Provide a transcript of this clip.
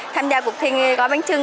tham gia cuộc thi gói bánh chưng